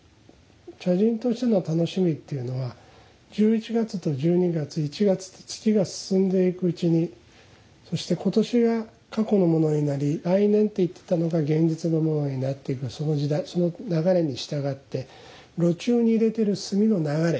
茶人としての楽しみっていうのは１１月と１２月１月と月が進んでいくうちにそして今年が過去のものになり来年といってたのが現実のものになっていくその時代その流れに従って炉中に入れてる炭の流れ